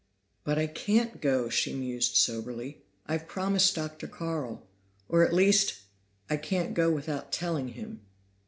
"But I can't go," she mused soberly. "I've promised Dr. Carl. Or at least, I can't go without telling him."